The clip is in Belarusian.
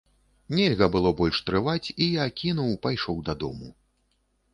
Нельга было больш трываць, і я кінуў, пайшоў дадому.